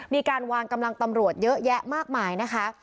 มีการวางกำลังตำรวจเยอะแยะมากมายนะคะ